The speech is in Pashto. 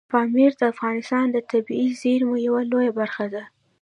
پامیر د افغانستان د طبیعي زیرمو یوه لویه برخه ده.